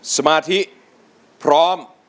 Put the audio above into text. สมาธิพร้อม